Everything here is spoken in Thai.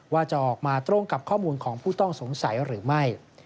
ว่าจะออกมาตรงกับข้อมูลของผู้ต้องสงสัยหรือไม่